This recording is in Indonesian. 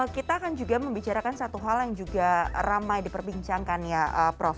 kita akan juga membicarakan satu hal yang juga ramai diperbincangkan ya prof